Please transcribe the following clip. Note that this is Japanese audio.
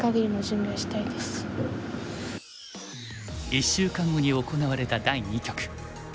１週間後に行われた第二局。